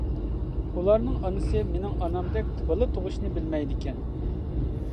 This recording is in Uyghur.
ئۇلارنىڭ ئانىسى مېنىڭ ئانامدەك بالا تۇغۇشنى بىلمەيدىكەن.